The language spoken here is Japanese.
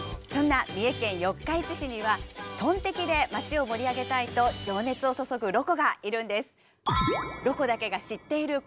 そんな三重県四日市市にはトンテキで街を盛り上げたいと情熱を注ぐロコがいるんです。